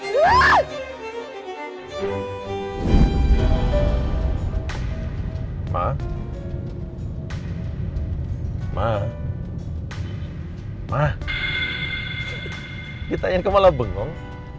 ma ma ma ma kita yang ke malam bengong